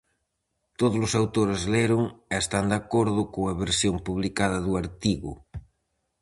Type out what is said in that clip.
Todos os autores leron e están de acordo coa versión publicada do artigo.